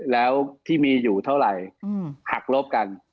แล้วที่มีอยู่เท่าไหร่หักลบกัน